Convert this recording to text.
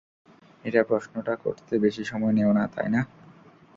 এটা প্রশ্নটা করতে বেশি সময় নেও না, তাই না?